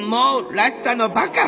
「らしさ」のバカ！